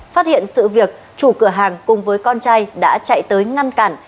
phát hiện sự việc chủ cửa hàng cùng với con trai đã chạy tới ngăn cản